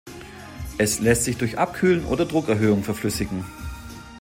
Es lässt sich durch Abkühlen oder Druckerhöhung verflüssigen.